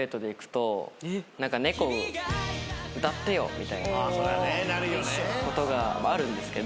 みたいなことがあるんですけど。